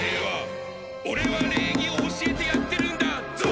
俺は礼儀を教えてやってるんだぞ！